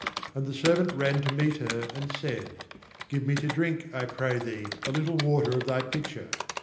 17And the servant ran to meet her, and said: 'Give me to drinkj I pray thee, a little water of thy pitcher.'